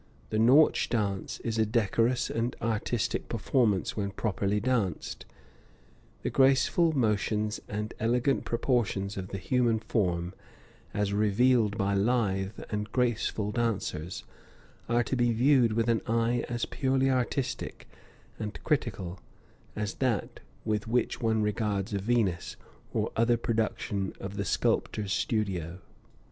The Nautch dance is a decorous and artistic performance when properly danced; the graceful motions and elegant proportions of the human form, as revealed by lithe and graceful dancers, are to be viewed with an eye as purely artistic and critical as that with which one regards a Venus or other production of the sculptor's studio.